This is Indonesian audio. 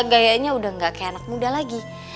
gayanya udah gak kayak anak muda lagi